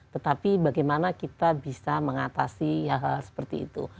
tetapi bagaimana kita bisa mengatasi hal hal seperti itu